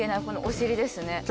このお尻ですね。